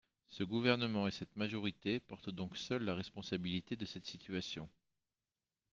Ce gouvernement et cette majorité portent donc seuls la responsabilité de cette situation.